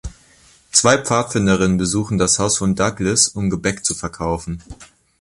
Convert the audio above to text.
Zwei Pfadfinderinnen besuchen das Haus von Douglas, um Gebäck zu verkaufen.